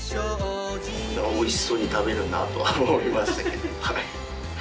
おいしそうに食べるなあとは思いましたけど。